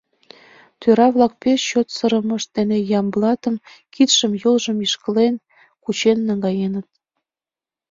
Тӧра-влак пеш чот сырымышт дене Ямблатым, кидшым-йолжым ишкылен, кучен наҥгаеныт.